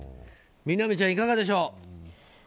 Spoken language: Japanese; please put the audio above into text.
みなみちゃん、いかがでしょう。